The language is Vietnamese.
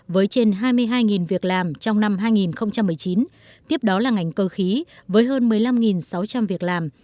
với trên hai mươi hai việc làm trong năm hai nghìn một mươi chín tiếp đó là ngành cơ khí với hơn một mươi năm sáu trăm linh việc làm